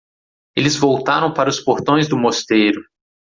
Eles voltaram para os portões do mosteiro.